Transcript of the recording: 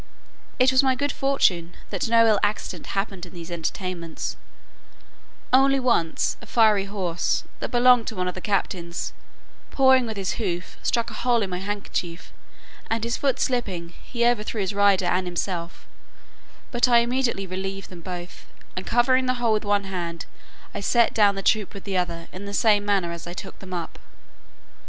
It was my good fortune, that no ill accident happened in these entertainments; only once a fiery horse, that belonged to one of the captains, pawing with his hoof, struck a hole in my handkerchief, and his foot slipping, he overthrew his rider and himself; but I immediately relieved them both, and covering the hole with one hand, I set down the troop with the other, in the same manner as I took them up.